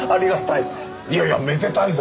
いやいやめでたいぞ！